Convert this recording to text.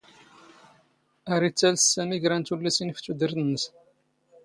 ⴰⵔ ⵉⵜⵜⴰⵍⵙ ⵙⴰⵎⵉ ⴽⵔⴰ ⵏ ⵜⵓⵍⵍⵉⵙⵉⵏ ⴼ ⵜⵓⴷⵔⵜ ⵏⵏⵙ.